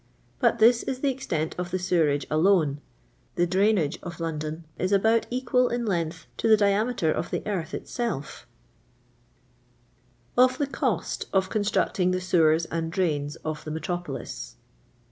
But this is the extent of the sewerage alone. The drainage of London is about equal in length to the diameter of the earth itself I Or THB CoflT Of CoKBTKUoriJia TBI Sbwkbb ▲ITD DbAIKB Of SB! MSTBOPOLZS.